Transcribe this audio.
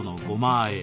あえ